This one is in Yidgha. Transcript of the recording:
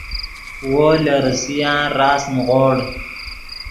وو لے ریسیان راست نیغوڑ